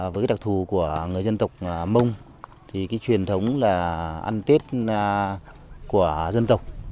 với cái đặc thù của người dân tộc mông thì cái truyền thống là ăn tết của dân tộc